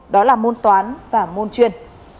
đó là môn toán và môn truyền